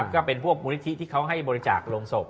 ก็เป็นพวกมูลนิธิที่เขาให้บริจาคโรงศพ